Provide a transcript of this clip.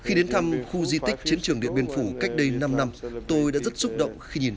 khi đến thăm khu di tích chiến trường điện biên phủ cách đây năm năm tôi đã rất xúc động khi nhìn